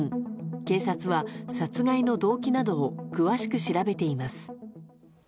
警察は殺害の動機などを詳しく調べています。